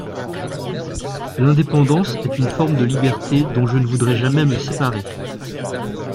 L'indépendance est une forme de liberté dont je ne voudrais jamais me séparer.